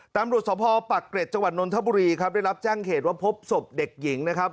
ตำรวจสภปักเกร็จจังหวัดนนทบุรีครับได้รับแจ้งเหตุว่าพบศพเด็กหญิงนะครับ